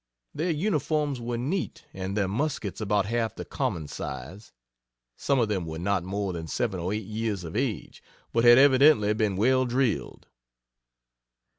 Their uniforms were neat, and their muskets about half the common size. Some of them were not more than seven or eight years of age; but had evidently been well drilled.